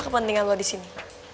gak pentingan lo di sini